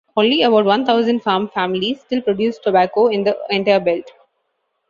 Only about one thousand farm families still produce tobacco in the entire belt.